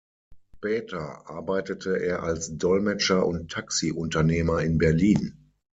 Später arbeitete er als Dolmetscher und Taxiunternehmer in Berlin.